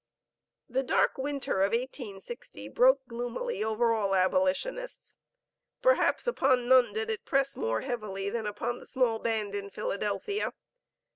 The dark winter of 1860 broke gloomily over all abolitionists; perhaps upon none did it press more heavily, than upon the small band in Philadelphia.